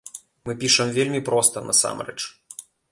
Мы пішам вельмі проста, насамрэч.